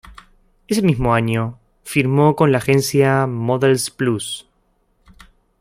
Ese mismo año, firmó con la agencia Models Plus.